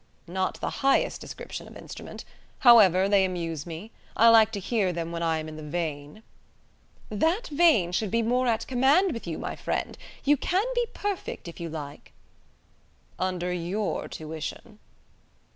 "Not the highest description of instrument. However, they amuse me. I like to hear them when I am in the vein." "That vein should be more at command with you, my friend. You can be perfect, if you like." "Under your tuition."